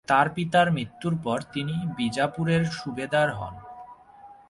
তার পিতার মৃত্যুর পর তিনি বিজাপুরের সুবাদার হন।